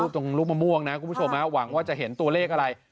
ตรงลูกมะม่วงนะคุณผู้ชมหวังว่าจะเห็นตัวเลขอะไร